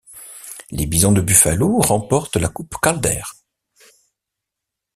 Les Bisons de Buffalo remportent la coupe Calder.